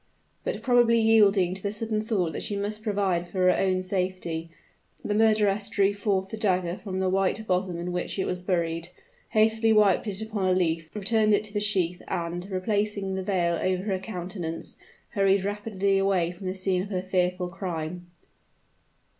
But probably yielding to the sudden thought that she must provide for her own safety, the murderess drew forth the dagger from the white bosom in which it was buried: hastily wiped it upon a leaf; returned it to the sheath; and, replacing the veil over her countenance, hurried rapidly away from the scene of her fearful crime.